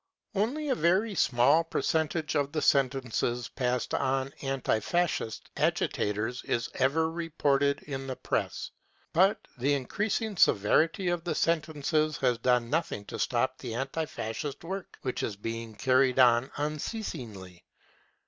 Only a very small percentage of the sentences passed on anti Fascist agitators is ever reported in the Press ; but the increasing severity of the sentences has done nothing to stop the anti Fascist work which is being carried on un ceasingly.